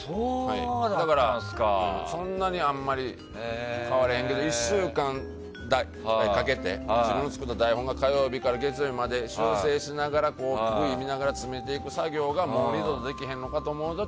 だからそんなにあんまり変わらへんけど１週間ぐらいかけて自分の作った台本を火曜日から月曜日まで修正しながら、見ながら詰めていく作業がもう二度とできへんと思うと